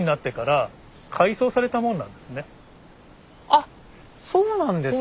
あっそうなんですか。